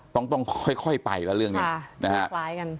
ต้องค่อยไปแล้วเรื่องนี้นะฮะ